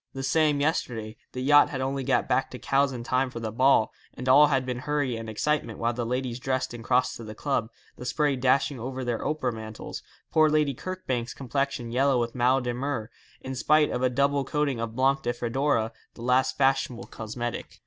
The same yesterday. The yacht had only got back to Cowes in time for the ball, and all had been hurry and excitement while the ladies dressed and crossed to the club, the spray dashing over their opera mantles, poor Lady Kirkbank's complexion yellow with mal de mer, in spite of a double coating of Blanc de Fedora, the last fashionable cosmetic.